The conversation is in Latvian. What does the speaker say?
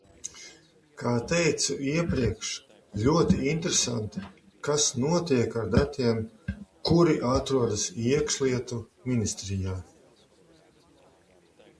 Kā teicu iepriekš, ļoti interesanti, kas notiek ar datiem, kuri atrodas Iekšlietu ministrijā.